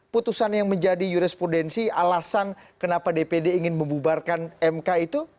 putusan yang menjadi jurisprudensi alasan kenapa dpd ingin membubarkan mk itu